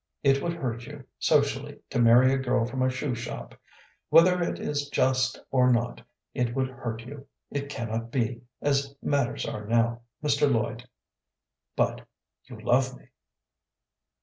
It would hurt you socially to marry a girl from a shoe shop. Whether it is just or not, it would hurt you. It cannot be, as matters are now, Mr. Lloyd." "But you love me?"